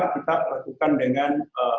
kita lakukan dengan